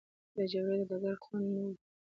د جګړې د ډګر خوند نه وو.